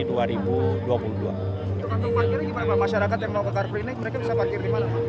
kantong parkirnya gimana pak masyarakat yang mau ke karpri ini mereka bisa parkir di mana pak